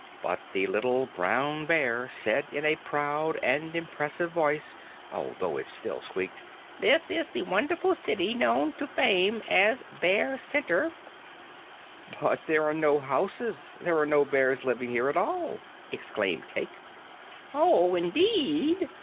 But the little Brown Bear said in a proud and impressive voice (although it still squeaked), "This is the wonderful city known to fame as Bear Center!" "But there are no houses, there are no bears living here at all!" exclaimed Cayke. "Oh indeed!"